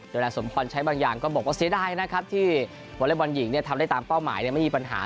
โดยนายสมพรใช้บางอย่างก็บอกว่าเสียดายนะครับที่วอเล็กบอลหญิงทำได้ตามเป้าหมายไม่มีปัญหา